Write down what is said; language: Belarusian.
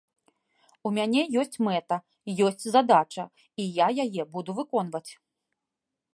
У мяне ёсць мэта, ёсць задача, і я яе буду выконваць.